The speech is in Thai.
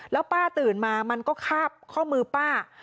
แล้วป้าตื่นมามันก็คาบข้อมือป้า